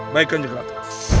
baik kak jagrata